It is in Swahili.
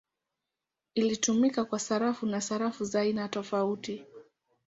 Ilitumika kwa sarafu na sarafu za aina tofauti.